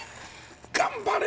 頑張れ！